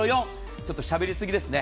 ちょっとしゃべりすぎですね。